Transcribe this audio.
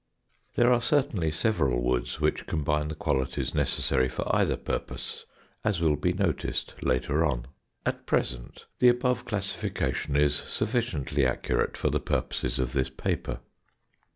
There are certainly several woods which combine the qualities necessary for either purpose, as will be noticed later on. At present the above classification is sufficiently accurate for the purposes of this paper.